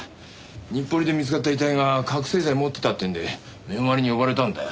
日暮里で見つかった遺体が覚醒剤持ってたってんで面割に呼ばれたんだよ。